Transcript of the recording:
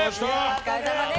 お疲れさまです。